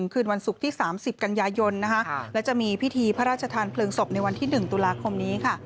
ก็มีพิธีพระราชทานเผลิงศพในวันที่๑ตุลาคมนี้ค่ะ